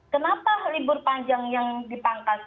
kenapa libur panjang yang dipangkas